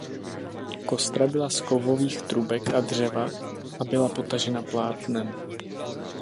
Kostra byla z kovových trubek a dřeva a byla potažena plátnem.